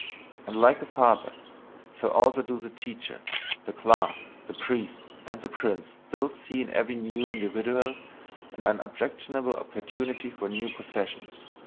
And like the father, so also do the teacher, the class, the priest, and the prince still see in every new individual an unobjectionable opportunity for a new possession.